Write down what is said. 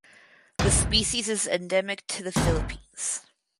The species is endemic to the Philippines.